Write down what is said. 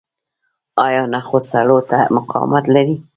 آیا نخود سړو ته مقاومت لري؟